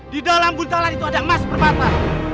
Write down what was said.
di dalam buntalan itu ada emas perbatas